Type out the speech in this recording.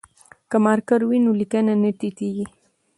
که مارکر وي نو لیکنه نه تتېږي.